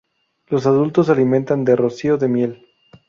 Los adultos se alimentan de rocío de miel.